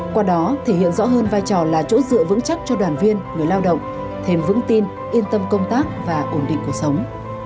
qua đó thể hiện rõ hơn vai trò là chỗ dựa vững chắc cho đoàn viên người lao động thêm vững tin yên tâm công tác và ổn định cuộc sống